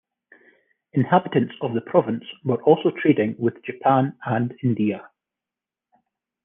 Inhabitants of the province were also trading with Japan and India.